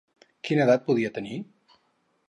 Quina edat podia tenir?